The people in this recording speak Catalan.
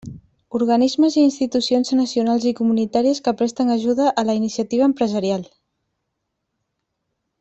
Organismes i institucions nacionals i comunitàries que presten ajuda a la iniciativa empresarial.